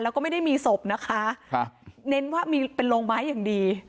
แล้วก็ไม่ได้มีศพนะคะครับเน้นว่ามีเป็นโรงไม้อย่างดี